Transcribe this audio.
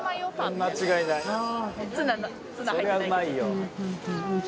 それはうまいよ」